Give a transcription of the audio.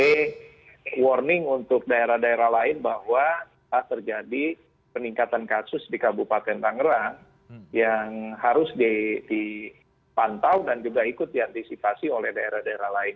ini warning untuk daerah daerah lain bahwa terjadi peningkatan kasus di kabupaten tangerang yang harus dipantau dan juga ikut diantisipasi oleh daerah daerah lain